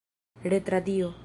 retradio